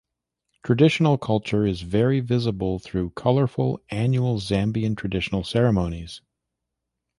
Traditional culture is very visible through colourful annual Zambian traditional ceremonies.